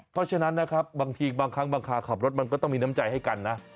เพราะฉะนั้นนะครับบางทีบางครั้งบางคาขับรถมันก็ต้องมีน้ำใจให้กันนะ